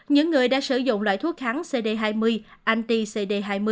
những người đã sử dụng loại thuốc kháng cd hai mươi anti cd hai mươi